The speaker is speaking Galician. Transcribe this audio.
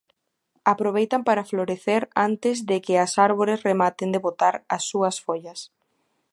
Aproveitan para florecer antes de que as árbores rematen de botar as súas follas.